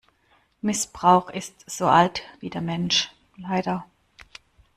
Missbrauch ist so alt wie der Mensch - leider.